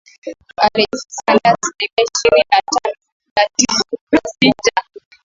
alijikusanyia asilimia ishirini na tano nukta sitini na sita